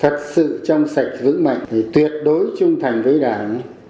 thật sự trong sạch vững mạnh thì tuyệt đối trung thành với đảng